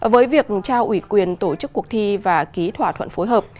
với việc trao ủy quyền tổ chức cuộc thi và ký thỏa thuận phối hợp